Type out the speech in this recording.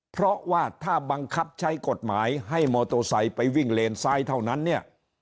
เพราะว่าถ้าบังคับใช้กฎหมายให้มอเตอร์ไซค์ไปวิ่งเลนซ้ายเท่านั้นเนี่ย